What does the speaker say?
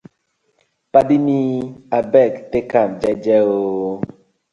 Paadi mi abeg tak am jeje ooo.